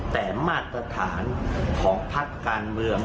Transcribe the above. แต่มาตรฐานของพักการเมือง